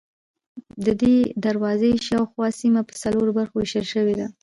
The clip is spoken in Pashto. ددې دروازې شاوخوا سیمه په څلورو برخو وېشل شوې ده.